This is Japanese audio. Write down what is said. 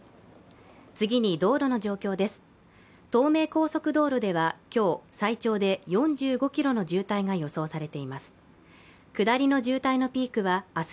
次に、道路の状況です。